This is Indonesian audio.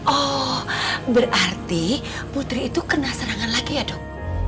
oh berarti putri itu kena serangan lagi ya dok